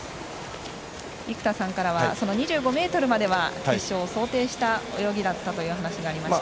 生田さんからは２５ｍまでは決勝を想定した泳ぎだったというお話がありました。